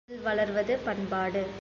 பயிற்சியில் வளர்வது பண்பாடு.